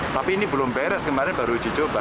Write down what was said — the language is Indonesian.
tapi ini belum beres kemarin baru dicoba